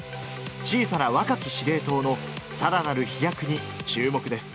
小さな若き司令塔のさらなる飛躍に注目です。